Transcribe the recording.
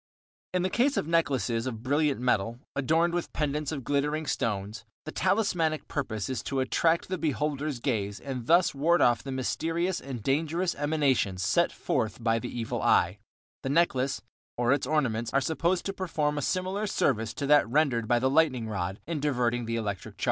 In the case of necklaces of brilliant metal, adorned with pendants of glittering stones, the talismanic purpose is to attract the beholder's gaze and thus ward off the mysterious and dangerous emanations set forth by the Evil Eye; the necklace, or its ornaments, are supposed to perform a similar service to that rendered by the lightning rod in diverting the electric discharge.